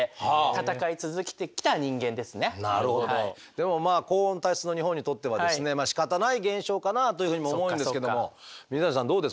でもまあ高温多湿の日本にとってはしかたない現象かなというふうにも思うんですけども水谷さんどうですか？